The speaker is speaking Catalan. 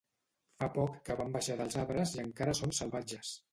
Fa poc que van baixar dels arbres i encara són salvatges